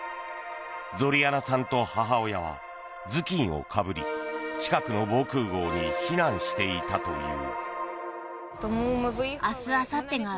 ゾリャナさんと母親は頭巾をかぶり近くの防空壕に避難していたという。